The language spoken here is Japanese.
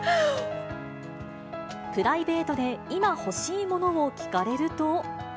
プライベートで今欲しいものを聞かれると。